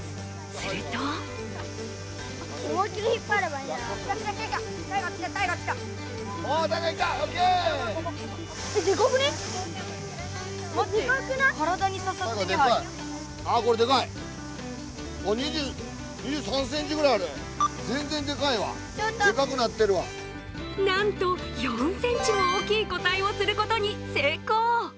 するとなんと、４ｃｍも大きい個体を釣ることに成功。